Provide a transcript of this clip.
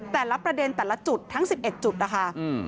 แต่ละประเด็นแต่ละจุดทั้ง๑๑จุดนะคะ